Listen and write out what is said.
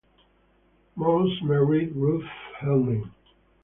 Mose married Ruth Helming.